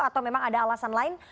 atau memang ada alasan lain